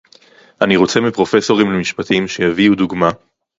אני רוצה מפרופסורים למשפטים שיביאו דוגמה